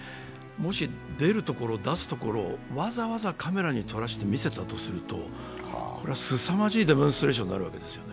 もし出るところ、出すところをわざわざカメラに撮らせて見せたとするとこれはすさまじいデモンストレーションになるわけです。